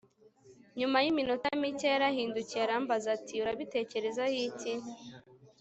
nyuma yiminota mike, yarahindukiye arambaza ati urabitekerezaho iki